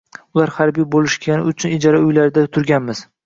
Ular harbiy boʻlishgani uchun ijara uylarda turganmiz.